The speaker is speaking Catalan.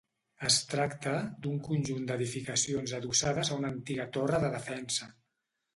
Es tracta d'un conjunt d'edificacions adossades a una antiga torre de defensa.